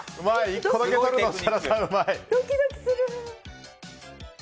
１個だけ取るの設楽さんうまい！